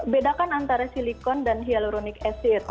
bedakan antara silikon dan hyaluronic acid